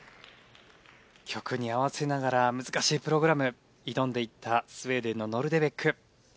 曲に合わせながら難しいプログラム挑んでいったスウェーデンのノルデベック。